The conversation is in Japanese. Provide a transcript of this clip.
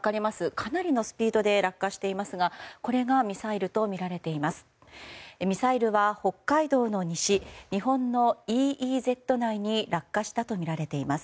かなりのスピードで落下していますがこれがミサイルとみられています。